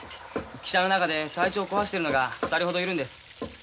汽車の中で体調こわしてるのが２人ほどいるんです。